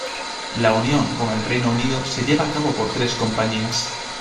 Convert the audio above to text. La unión con el Reino Unido se lleva a cabo por tres compañías.